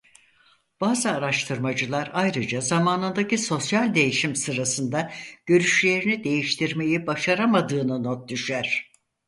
Bazı araştırmacılar ayrıca zamanındaki sosyal değişim sırasında görüşlerini değiştirmeyi başaramadığını not düşer.